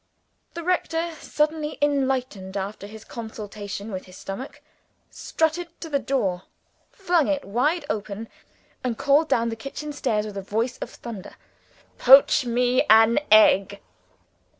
The rector, suddenly enlightened after his consultation with his stomach, strutted to the door, flung it wide open, and called down the kitchen stairs with a voice of thunder, "Poach me an egg!"